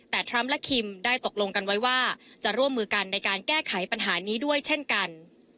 แต่ทรัมป์และคิมได้ตกลงกันไว้ว่าจะร่วมมือกันในการแก้ไขปัญหานี้ด้วยเช่นกัน